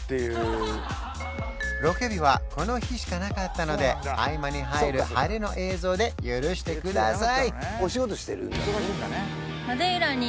ロケ日はこの日しかなかったので合間に入る晴れの映像で許してください！